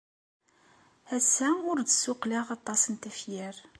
Ass-a ur d-ssuqqleɣ aṭas n tefyar.